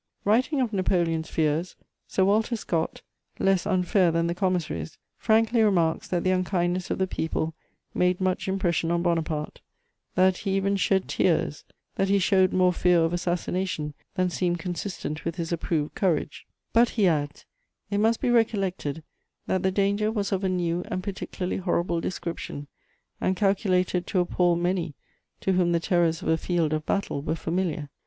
_] Writing of Napoleon's fears, Sir Walter Scott, less unfair than the commissaries, frankly remarks that the unkindness of the people made much impression on Bonaparte, that he even shed tears, that he showed more fear of assassination than seemed consistent with his approved courage; "but," he adds, "it must be recollected that the danger was of a new and particularly horrible description, and calculated to appall many to whom the terrors of a field of battle were familiar.